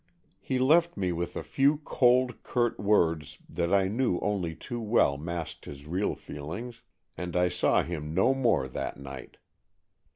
He left me with a few cold, curt words that I knew only too well masked his real feelings, and I saw him no more that night.